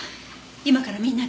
今からみんなで。